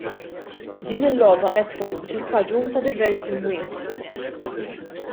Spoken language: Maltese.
Din il-logħba qed tkun il-kaġun ta' diversi mwiet.